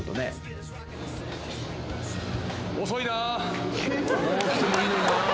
遅いなぁ。